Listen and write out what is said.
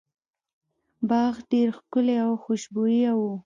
باغ ډیر ښکلی او خوشبويه و.